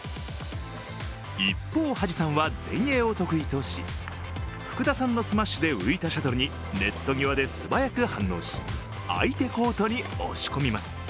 一方、土師さんは前衛を得意とし福田さんのスマッシュで浮いたシャトルにネット際で素早く反応し相手コートに押し込みます。